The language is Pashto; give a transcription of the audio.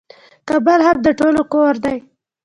کابل هم د ټولو کور دی.